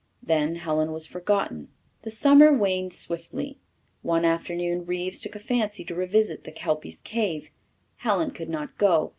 Then Helen was forgotten. The summer waned swiftly. One afternoon Reeves took a fancy to revisit the Kelpy's Cave. Helen could not go.